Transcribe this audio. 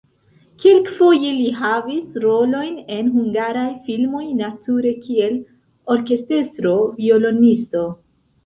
Kelkfoje li havis rolojn en hungaraj filmoj, nature kiel orkestrestro-violonisto.